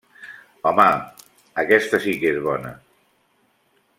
-Home… aquesta sí que és bona!